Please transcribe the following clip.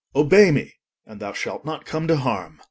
Obey me and thou shalt not come to harm.